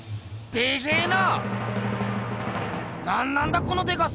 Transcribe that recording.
でっけえな。